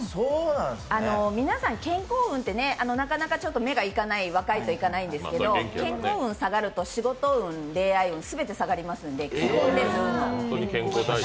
皆さん、健康運ってなかなか目が若いといかないんですけど健康運が下がると仕事運、恋愛運全て下がりますので、運の基本です。